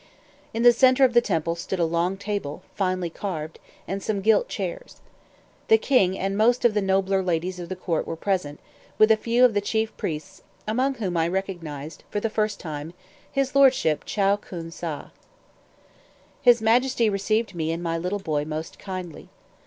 In the centre of the temple stood a long table, finely carved, and some gilt chairs. The king and most of the nobler ladies of the court were present, with a few of the chief priests, among whom I recognized, for the first time, his Lordship Chow Khoon Sâh. His Majesty received me and my little boy most kindly.